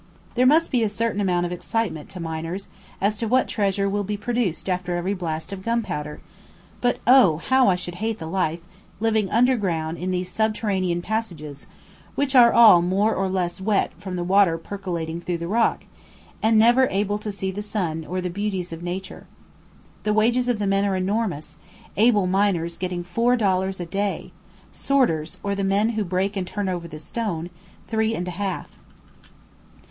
There must be a certain amount of excitement to miners as to what treasure will be produced after every blast of gunpowder; but oh! how I should hate the life, living underground in these subterranean passages, which are all more or less wet from the water percolating through the rock, and never able to see the sun or the beauties of nature. The wages of the men are enormous, able miners getting four dollars a day; sorters, or the men who break and turn over the stone, three and a half.